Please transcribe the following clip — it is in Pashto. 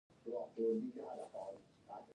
شریفو شخصیتونو څښتنان ول.